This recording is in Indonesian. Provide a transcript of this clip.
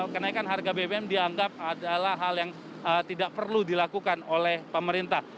kenaikan harga bbm dianggap adalah hal yang tidak perlu dilakukan oleh pemerintah